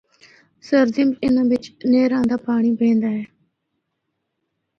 سردیاں بچ اناں بچ نہر دا پانڑی بیندے ہن۔